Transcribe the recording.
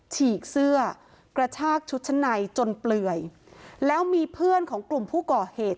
ฉีกเสื้อกระชากชุดชั้นในจนเปลือยแล้วมีเพื่อนของกลุ่มผู้ก่อเหตุ